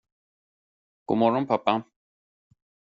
God morgon, pappa.